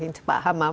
dengan mbak hamam